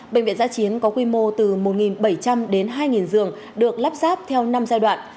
bệnh viện giã chiến có quy mô từ một bảy trăm linh đến hai giường được lắp sáp theo năm giai đoạn